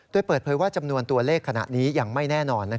โดยเปิดเผยว่าจำนวนตัวเลขขณะนี้ยังไม่แน่นอน